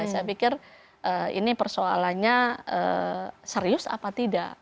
saya pikir ini persoalannya serius apa tidak